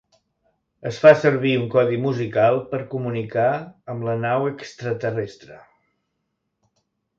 Es fa servir un codi musical per comunicar amb la nau extraterrestre.